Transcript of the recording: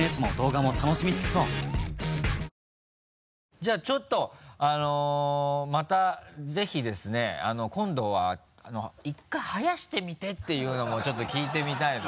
じゃあちょっとまたぜひですね今度は１回生やしてみてっていうのもちょっと聞いてみたいので。